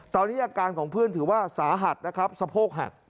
ตอนนี้อาการของเพื่อนถือว่าสาหัสนะครับสะโพกหัก